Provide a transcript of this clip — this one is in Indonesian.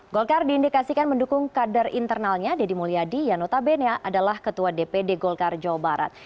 golkar diindikasikan mendukung kader internalnya deddy mulyadi yang notabene adalah ketua dpd golkar jawa barat